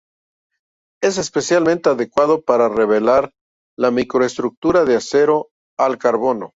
Es especialmente adecuado para revelar la microestructura de aceros al carbono.